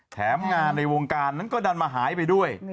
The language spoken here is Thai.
แถมงานในวงการนั้นก็ดันมาหายไปด้วย